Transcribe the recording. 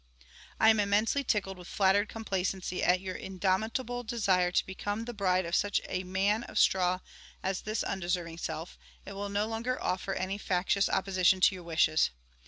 I am immensely tickled with flattered complacency at your indomitable desire to become the bride of such a man of straw as this undeserving self, and will no longer offer any factious opposition to your wishes.